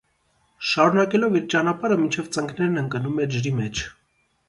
Շարունակելով իր ճանապարհը՝ մինչև ծնկներն ընկնում է ջրի մեջ։